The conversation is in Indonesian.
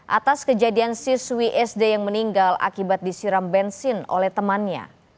atas kejadian siswi sd yang meninggal akibat disiram bensin oleh temannya